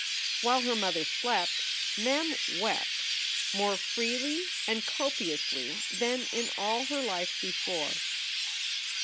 While her mother slept Mem wept, more freely and copi ously than in all her life before.